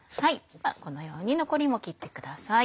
このように残りも切ってください。